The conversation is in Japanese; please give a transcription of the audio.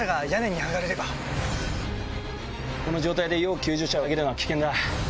この状態で要救助者を上げるのは危険だ。